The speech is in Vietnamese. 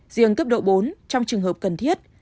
riêng cấp độ bốn trong trường hợp cần thiết